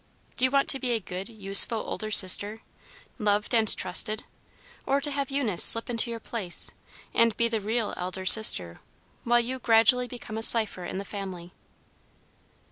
Do you want to be a good, useful older sister, loved and trusted, or to have Eunice slip into your place, and be the real elder sister, while you gradually become a cipher in the family?"